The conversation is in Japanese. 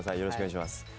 よろしくお願いします。